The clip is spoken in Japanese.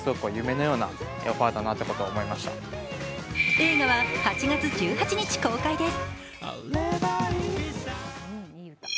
映画は８月１８日公開です。